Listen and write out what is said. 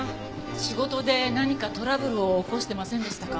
仕事で何かトラブルを起こしてませんでしたか？